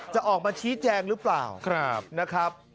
จะออกมาชี้แจงหรือเปล่านะครับ